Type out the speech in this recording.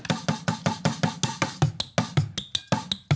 เพื่อสนับสนุนที่สุดท้าย